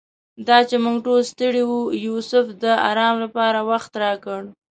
دا چې موږ ټول ستړي وو یوسف د آرام لپاره وخت راکړ.